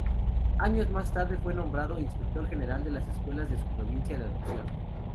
Años más tarde fue nombrado Inspector General de Escuelas de su provincia de adopción.